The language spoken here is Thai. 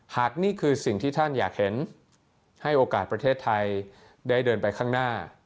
นี่คือสิ่งที่ท่านอยากเห็นให้โอกาสประเทศไทยได้เดินไปข้างหน้า